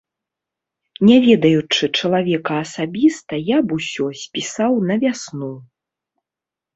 Не ведаючы чалавека асабіста, я б усё спісаў на вясну.